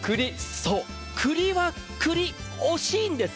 そう、栗は栗、惜しいんです。